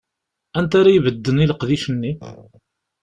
Anta ara ibedden i leqdic-nni?